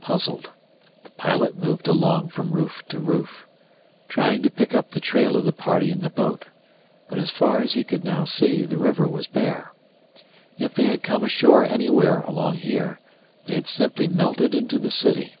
Puzzled, the pilot moved along from roof to roof, trying to pick up the trail of the party in the boat, but as far as he could now see, the river was bare. If they had come ashore anywhere along here, they had simply melted into the city.